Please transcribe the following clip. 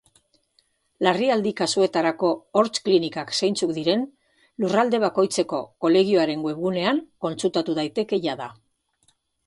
Larrialdi kasuetarako hortz klinikak zeintzuk diren lurralde bakoitzeko kolegioaren webgunean kontsultatu daiteke jada.